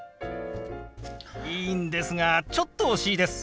いいんですがちょっと惜しいです。